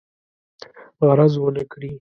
غرض ونه کړي.